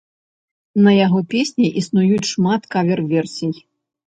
На яго песні існуюць шмат кавер-версій.